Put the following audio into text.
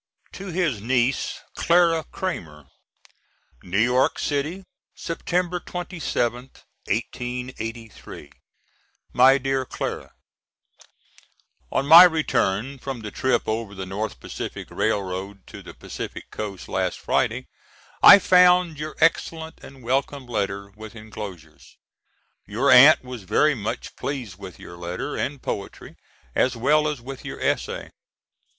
[To his niece, Clara Cramer.] New York City, Sept. 27th, 1883. MY DEAR CLARA: On my return from the trip over the North Pacific Railroad to the Pacific Coast last Friday, I found your excellent and welcome letter, with enclosures. Your aunt was very much pleased with your letter and poetry as well as with your essay.